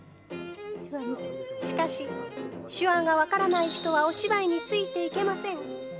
しかし、手話が分からない人はお芝居についていけません。